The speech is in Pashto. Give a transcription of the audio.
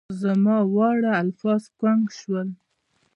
زما واړه الفاظ ګونګ شول